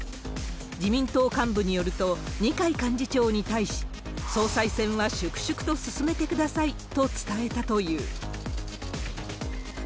自民党幹部によると、二階幹事長に対し、総裁選は粛々と進めてくださいと伝えたという。